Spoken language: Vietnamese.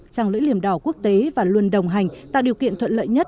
trăng lưỡi liềm đỏ quốc tế và luôn đồng hành tạo điều kiện thuận lợi nhất